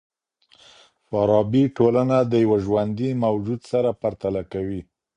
فارابي ټولنه د یوه ژوندي موجود سره پرتله کوي.